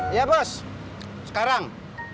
iya bos sekarang